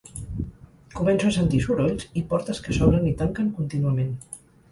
Començo a sentir sorolls i portes que s’obren i tanquen contínuament.